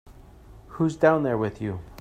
Who's down there with you?